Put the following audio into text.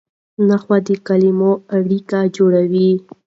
نحوه د کلیمو اړیکه جوړوي.